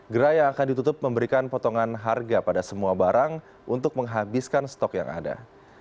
gerai yang akan ditutup memberikan potongan harga pada semua barang untuk menghabiskan stok yang ada